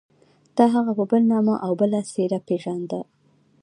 تا هغه په بل نامه او بله څېره پېژانده.